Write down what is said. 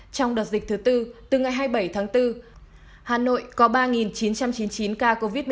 trong đợt dịch thứ tư từ ngày hai mươi bảy tháng bốn hà nội có ba chín trăm chín mươi chín ca covid một mươi chín